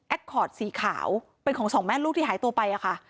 คอร์ดสีขาวเป็นของสองแม่ลูกที่หายตัวไปค่ะ